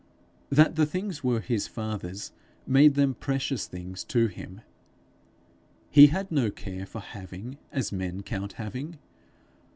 That the things were his fathers, made them precious things to him. He had no care for having, as men count having.